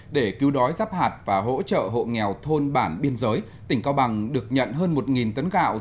để cứu đói rắp hạt và hỗ trợ hộ nghèo thôn bản biên giới tỉnh cao bằng được nhận hơn một tấn gạo